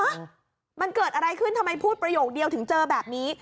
มันเกิดอะไรขึ้นทำไมพูดประโยคเดียวถึงเจอแบบนี้